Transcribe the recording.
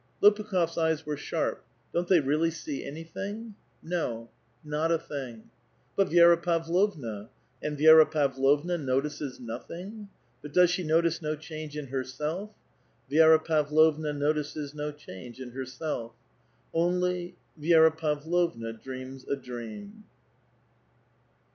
Lopukh6rs eyes were sharp ; don't they really see any thing ? No ; not a thing. « But Vi^ra Pavlovna? and Vi6ra Pavlovna notices notliing. But does she notice no change in herself? WC^vix. Pavlovna notices no change in herself. Only Vi6ra Pavlovna dreams a dream.